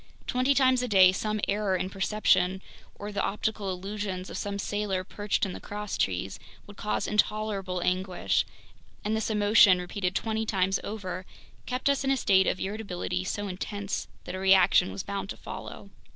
Twenty times a day some error in perception, or the optical illusions of some sailor perched in the crosstrees, would cause intolerable anguish, and this emotion, repeated twenty times over, kept us in a state of irritability so intense that a reaction was bound to follow.